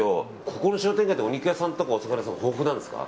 ここの商店街ってお肉屋さんとか、お魚屋さん豊富なんですか？